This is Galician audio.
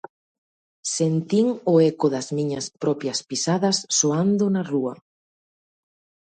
Sentín o eco das miñas propias pisadas soando na rúa.